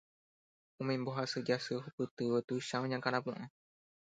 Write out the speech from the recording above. Umi mbohasy jasy ohupytývo tuicha oñakãrapu'ã.